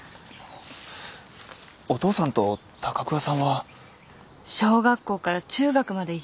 お父さんと高桑さんは？小学校から中学まで一緒。